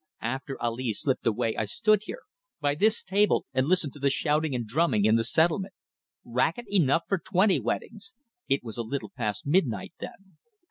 After Ali slipped away I stood here by this table, and listened to the shouting and drumming in the settlement. Racket enough for twenty weddings. It was a little past midnight then."